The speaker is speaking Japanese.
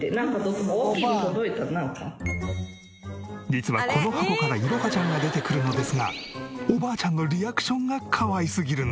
実はこの箱からいろはちゃんが出てくるのですがおばあちゃんのリアクションがかわいすぎるんです。